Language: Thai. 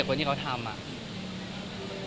ครับครับครับครับครับครับครับครับครับครับครับครับ